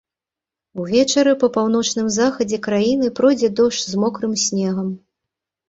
Увечары па паўночным захадзе краіны пройдзе дождж з мокрым снегам.